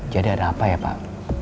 jadi ada apa ya pak